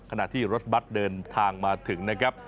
ขณะที่รถบัตรเดินทางมาถึงนะครับ